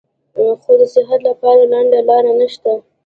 خو د صحت له پاره لنډه لار نشته -